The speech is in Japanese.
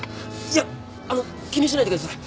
いやあの気にしないでください。